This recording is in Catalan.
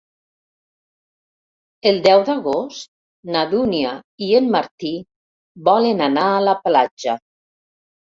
El deu d'agost na Dúnia i en Martí volen anar a la platja.